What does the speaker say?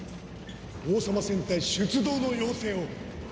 王様戦隊出動の要請を。